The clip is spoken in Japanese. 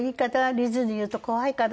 リズに言うと怖いかな？